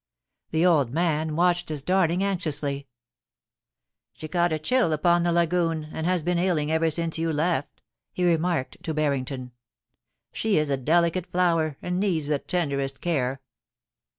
The old man watched his darling anxiously. * She caught a chill upon the lagoon, and has been ailing ever since you left,* he remarked to Barrington. * She is a delicate flower, and needs the tenderest care.'